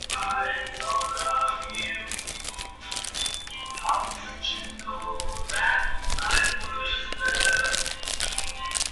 The exact definition of what is and is not a condiment varies.